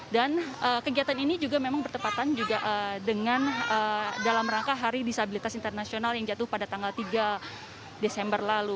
dan kegiatan ini juga memang bertepatan juga dengan dalam rangka hari disabilitas internasional yang jatuh pada tanggal tiga desember lalu